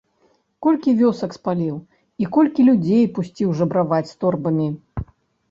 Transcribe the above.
Колькі вёсак спаліў і колькі людзей пусціў жабраваць з торбамі?